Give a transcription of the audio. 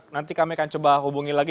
nanti kami akan coba hubungi lagi